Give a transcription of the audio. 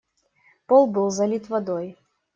Пол был залит водой.